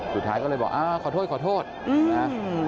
สุดท้ายก็เลยบอกอ้าวขอโทษขอโทษนะ